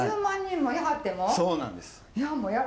２０万人もいはっても？